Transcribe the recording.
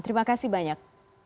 terima kasih banyak